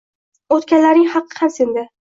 O’tganlarning haqqi ham senda